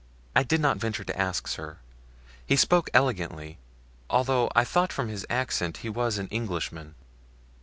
"I did not venture to ask, sir; he spoke elegantly, although I thought from his accent he was an Englishman."